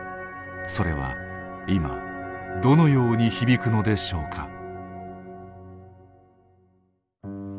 それは今どのように響くのでしょうか。